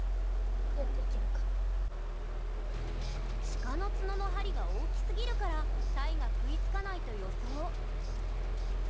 鹿の角の針が大きすぎるからタイが食いつかないと予想。